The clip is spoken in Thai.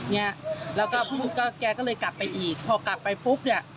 เนี่ยแล้วก็พูดก็แกก็เลยกลับไปอีกพอกลับไปปุ๊บเนี่ย